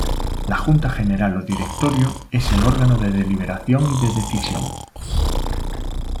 La junta general o directorio es el órgano de deliberación y de decisión.